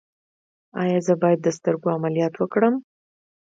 ایا زه باید د سترګو عملیات وکړم؟